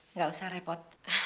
nggak usah repot